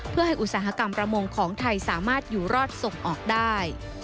เพื่อให้อุตสาหกรรมประมงของไทยสามารถอยู่รอดส่งออกได้